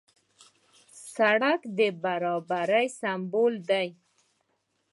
سړک د برابرۍ سمبول دی.